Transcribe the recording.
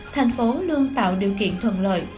thành phố luôn tạo điều kiện thuận lợi